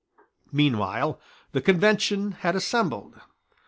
Meanwhile the Convention had assembled.